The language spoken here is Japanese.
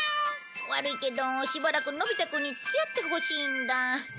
悪いけどしばらくのび太くんに付き合ってほしいんだ。